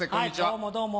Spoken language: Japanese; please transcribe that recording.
どうもどうも。